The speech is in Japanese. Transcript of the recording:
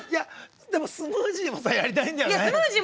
でもスムージーもやりたいんじゃない？